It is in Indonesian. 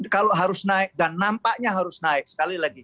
kalau harus naik dan nampaknya harus naik sekali lagi